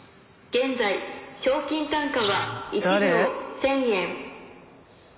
現在賞金単価は１秒１，０００円。